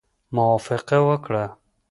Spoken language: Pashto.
موافقه وکړه.